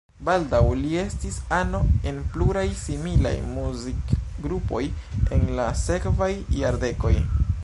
Baldaŭ li estis ano en pluraj similaj muzikgrupoj en la sekvaj jardekoj.